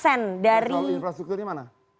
soal infrastruktur ini mana